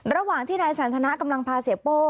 ระหว่างที่นายสันทนากำลังพาเสียโป้